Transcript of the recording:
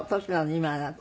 今あなた。